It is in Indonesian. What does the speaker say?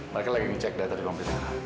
mereka lagi ngecek data di komplitnya